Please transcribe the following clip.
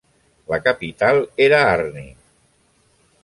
La capital era Arni.